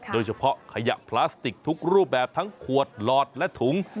โดยเฉพาะขยะพลาสติกทุกรูปแบบทั้งขวดหลอดและถุง